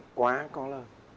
vẫn là quá có lời